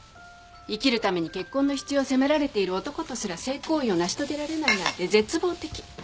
生きるために結婚の必要を迫られている男とすら性行為を成し遂げられないなんて絶望的。